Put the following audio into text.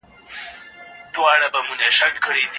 ښځي په اقتصاد کي لویه ونډه لري.